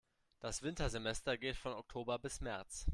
Das Wintersemester geht von Oktober bis März.